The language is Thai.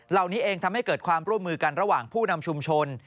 เหล่านี้เองทำให้เกิดความร่วมมือกันระหว่างผู้นำชุมชน